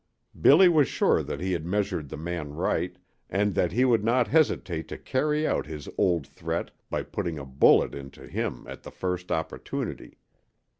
Billy was sure that he had measured the man right, and that he would not hesitate to carry out his old threat by putting a bullet into him at the first opportunity.